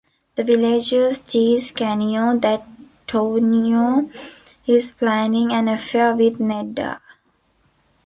The villagers tease Canio that Tonio is planning an affair with Nedda.